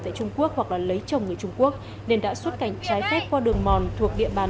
tại trung quốc hoặc lấy chồng người trung quốc nên đã xuất cảnh trái phép qua đường mòn thuộc địa bàn